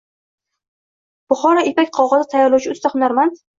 Buxoro ipak qog‘ozi tayyorlovchi usta-hunarmandng